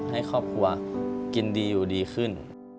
ให้ครอบครัวกินดีอยู่ดีขึ้น